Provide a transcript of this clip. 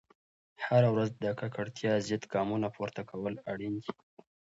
هره ورځ د ککړتیا ضد ګامونه پورته کول اړین دي.